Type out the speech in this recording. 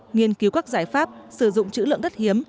nghiên cứu các giải pháp sử dụng chữ lượng đất hiếm